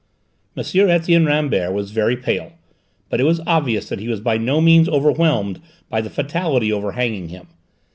M. Etienne Rambert was very pale, but it was obvious that he was by no means overwhelmed by the fatality overhanging him.